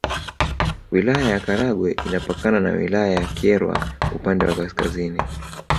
Wilaya ya Karagwe inapakana na Wilaya ya Kyerwa upande wa Kaskazini